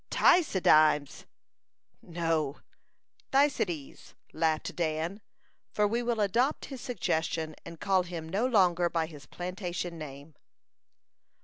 "Tucydimes!" "No, Thucydides," laughed Dan for we will adopt his suggestion, and call him no longer by his plantation name.